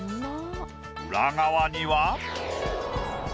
裏側には。